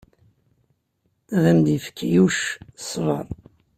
Ad am-d-yefk Yuc ṣṣber.